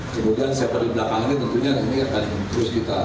kemudian siapa di belakang ini tentunya ini akan terus kita